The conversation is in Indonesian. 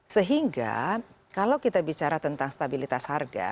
sehingga kalau kita bicara tentang stabilitas harga